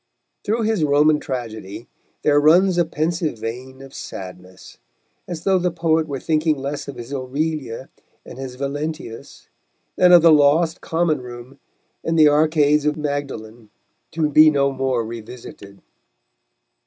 Through his Roman tragedy there runs a pensive vein of sadness, as though the poet were thinking less of his Aurelia and his Valentius than of the lost common room and the arcades of Magdalen to be no more revisited.